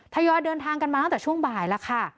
ยอยเดินทางกันมาตั้งแต่ช่วงบ่ายแล้วค่ะ